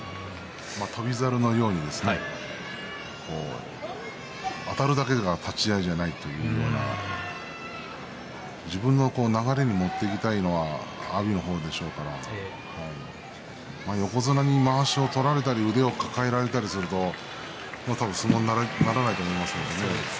翔猿のようにあたるだけが立ち合いではないというのが自分の流れに持っていきたいというのが阿炎でしょうから横綱にまわしを取られたり腕を抱えて出たりすると相撲にならないと思いますからね。